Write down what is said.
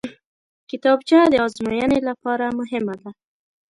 کتابچه د ازموینې لپاره مهمه ده